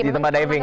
di tempat diving